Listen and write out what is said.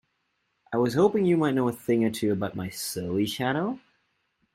I was hoping you might know a thing or two about my surly shadow?